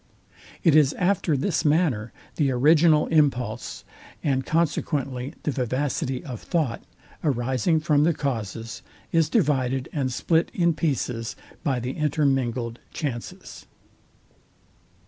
It is after this manner the original impulse, and consequently the vivacity of thought, arising from the causes, is divided and split in pieces by the intermingled chances.